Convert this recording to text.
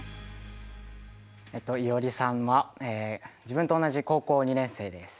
いおりさんは自分と同じ高校２年生です。